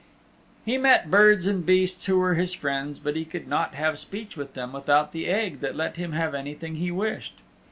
He met birds and beasts who were his friends, but he could not have speech with them without the Egg that let him have anything he wished.